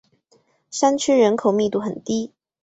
山区人口密度很低。